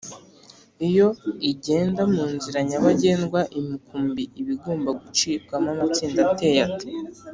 iyo igenda munzira nyabagendwa imikumbi iba igomba gucibwamo amatsinda ateye ate